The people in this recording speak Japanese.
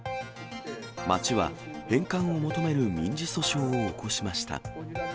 町は、返還を求める民事訴訟を起こしました。